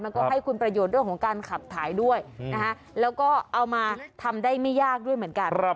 มันก็ให้คุณประโยชน์เรื่องของการขับถ่ายด้วยแล้วก็เอามาทำได้ไม่ยากด้วยเหมือนกัน